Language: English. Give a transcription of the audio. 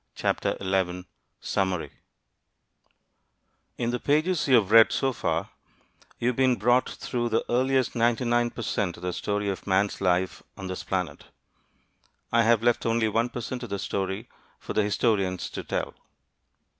Summary In the pages you have read so far, you have been brought through the earliest 99 per cent of the story of man's life on this planet. I have left only 1 per cent of the story for the historians to tell.